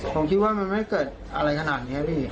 ผมคิดว่ามันไม่เกิดอะไรขนาดนี้พี่